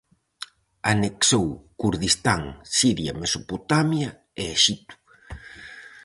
Anexou Kurdistán, Siria, Mesopotamia e Exipto.